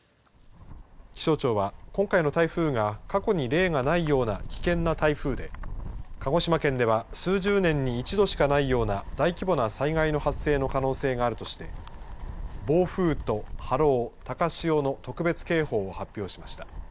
気象庁は今回の台風が過去に例がないような危険な台風で鹿児島県では数十年に一度しかないような大規模な災害の発生の可能性があるとして暴風と波浪、高潮の特別警報を発表しました。